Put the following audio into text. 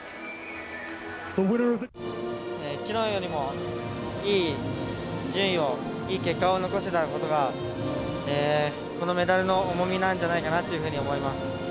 きのうよりもいい順位をいい結果を残せたことがこのメダルの重みなんじゃないかなっていうふうに思います。